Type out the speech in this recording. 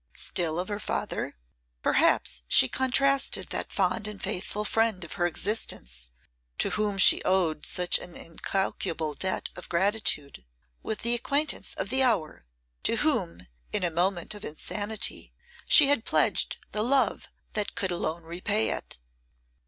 Still of her father? Perhaps she contrasted that fond and faithful friend of her existence, to whom she owed such an incalculable debt of gratitude, with the acquaintance of the hour, to whom, in a moment of insanity, she had pledged the love that could alone repay it.